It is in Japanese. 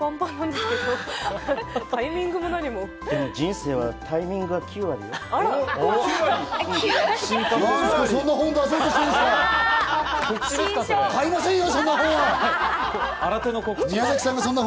でも人生はタイミングが９割よ。